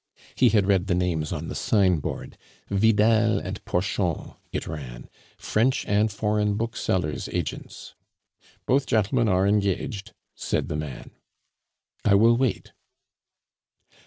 He had read the names on the sign board VIDAL & PORCHON (it ran), French and foreign booksellers' agents. "Both gentlemen are engaged," said the man. "I will wait."